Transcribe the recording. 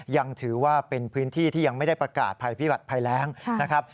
ยังถือว่าเป็นพื้นที่ที่ยังไม่ได้ประกาศภัยพิบัติภัยแรงนะครับ